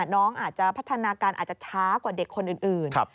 น้องอาจจะพัฒนาการอาจจะช้ากว่าเด็กคนอื่น